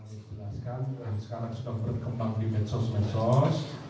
saya ingin jelaskan sekarang sudah berkembang di medsos medsos